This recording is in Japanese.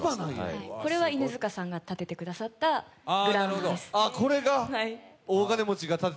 これは犬塚さんが建ててくださったグラウンドです。